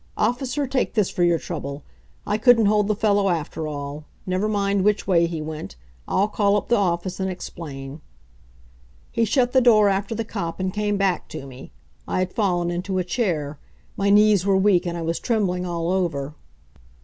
... Officer, take this for your trouble. I couldn't hold the fellow, after all. Never mind which way he went; I'll call up the office and explain." He shut the door after the cop, and came back to me. I had fallen into a chair. My knees were weak, and I was trembling all over.